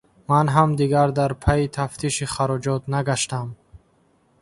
Ман ҳам дигар дар пайи тафтиши хароҷот нагаштам.